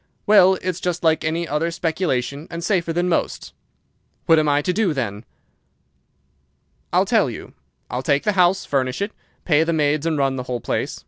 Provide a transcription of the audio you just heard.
"'Well, it's just like any other speculation, and safer than most.' "'What am I to do, then?' "'I'll tell you. I'll take the house, furnish it, pay the maids, and run the whole place.